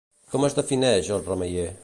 Com es defineix el remeier?